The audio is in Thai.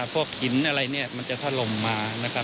พวกหินอะไรมันจะทะลมมา